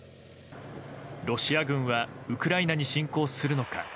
ロシア軍はウクライナに侵攻するのか。